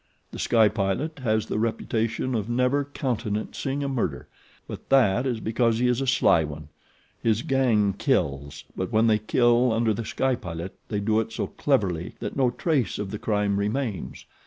The Sky Pilot has the reputation of never countenancing a murder; but that is because he is a sly one. His gang kills; but when they kill under The Sky Pilot they do it so cleverly that no trace of the crime remains.